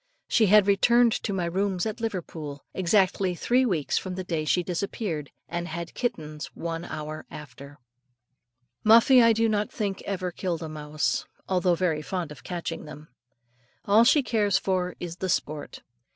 She had returned to my rooms at Liverpool, exactly three weeks from the day she disappeared, and had kittens one hour after. Muffie I do not think ever killed a mouse, although very fond of catching them. All she cares for is the sport.